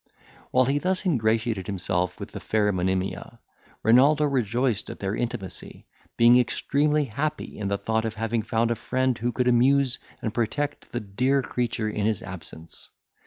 While he thus ingratiated himself with the fair Monimia, Renaldo rejoiced at their intimacy, being extremely happy in the thought of having found a friend who could amuse and protect the dear creature in his absence.